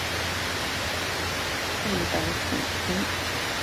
胱天蛋白酶是一类半胱氨酸蛋白酶的统称。